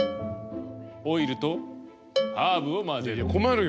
オイルとハーブを混ぜる。